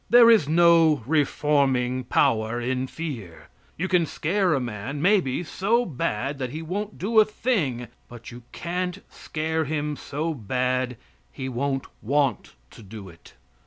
There is no reforming power in fear. You can scare a man, maybe, so bad that he won't do a thing, but you can't scare him so bad he won't want to do it.